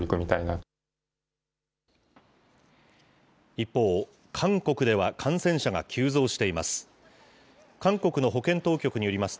一方、韓国では感染者が急増しています。